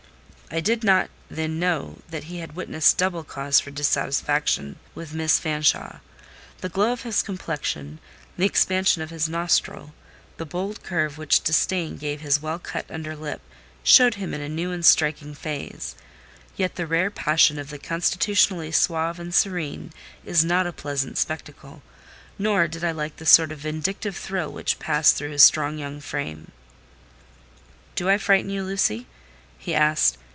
I did not then know that he had witnessed double cause for dissatisfaction with Miss Fanshawe. The glow of his complexion, the expansion of his nostril, the bold curve which disdain gave his well cut under lip, showed him in a new and striking phase. Yet the rare passion of the constitutionally suave and serene, is not a pleasant spectacle; nor did I like the sort of vindictive thrill which passed through his strong young frame. "Do I frighten you, Lucy?" he asked.